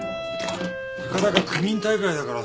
たかだか区民大会だからさ。